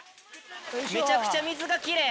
めちゃくちゃ水が奇麗。